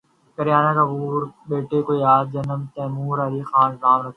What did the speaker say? کرینہ کپور نے بیٹے کو دیا جنم، تیمور علی خان رکھا نام